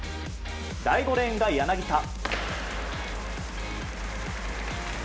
第５レーンが柳田。